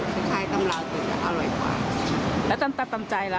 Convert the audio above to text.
คล้ายตำราตัวอร่อยกว่าแล้วตำตาตำใจล่ะ